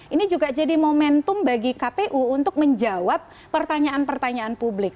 ini juga jadi momentum bagi kpu untuk menjawab pertanyaan pertanyaan publik